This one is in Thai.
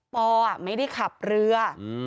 ปอไม่ได้ขับเรือ